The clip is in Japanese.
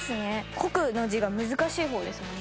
「國」の字が難しい方ですもんね。